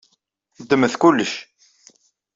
Ddmet kullec.